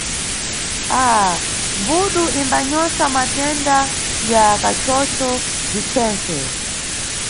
Ah, mbudu zimbanyosa matenda ya kachocho, bzichenkhe.